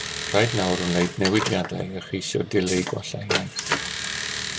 Rhaid nawr wneud newidiadau a cheisio dileu gwallau iaith